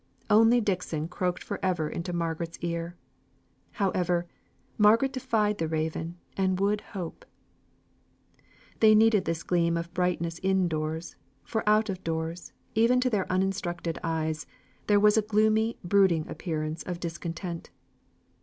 Only Dixon croaked for ever into Margaret's ear. However, Margaret defied the raven, and would hope. They needed this gleam of brightness in doors, for out of doors, even to their uninstructed eyes, there was a gloomy brooding appearance of discontent.